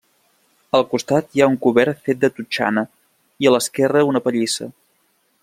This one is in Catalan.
Al costat hi ha un cobert fet de totxana i a l'esquerra una pallissa.